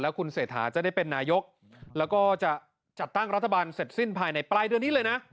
คุณเศรษฐาจะได้เป็นนายกแล้วก็จะจัดตั้งรัฐบาลเสร็จสิ้นภายในปลายเดือนนี้เลยนะ